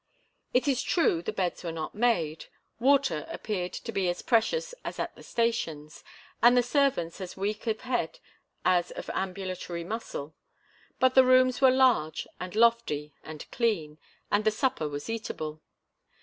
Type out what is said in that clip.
It is true the beds were not made, water appeared to be as precious as at the stations, and the servants as weak of head as of ambulatory muscle; but the rooms were large and lofty and clean, and the supper was eatable.